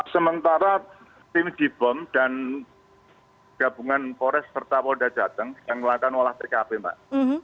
sementara tim jibom dan gabungan foresta dan polresta jateng yang melakukan olah ckp mbak